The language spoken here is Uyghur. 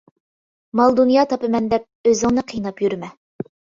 مال-دۇنيا تاپىمەن دەپ ئۆزۈڭنى قىيناپ يۈرمە.